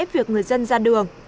việc người dân ra đường